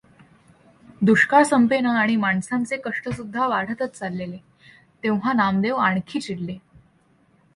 दुष्काळ संपेना आणि माणसांचे कष्टसुद्धा वाढतच चालले, तेव्हा नामदेव आणखी चिडले.